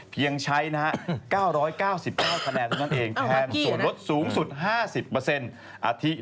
ขนาดนั้นเองแทนส่วนรถสูงสุด๕๐เปอร์เซ็นต์